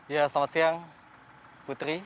ya selamat siang putri